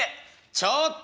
「ちょっと！